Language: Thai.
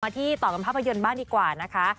ที่ต่อกันภาพยนตร์บ้างดีกว่านะคะ